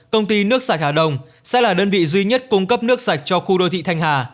công ty nước sạch hà đông sẽ là đơn vị duy nhất cung cấp nước sạch cho khu đô thị thanh hà